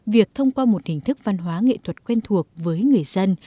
việc thông qua một hình thức văn hóa nghệ thuật quen thuộc với người dân